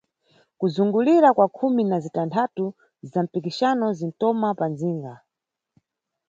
Kuzungulira kwa khumi na zitanthatu za mpikixano zintoma pa mʼdzinga.